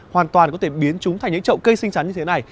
hoàn toàn có thể biến chúng thành những trậu cây xinh xắn như thế này